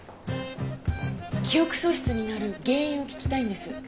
記憶喪失になる原因を聞きたいんです。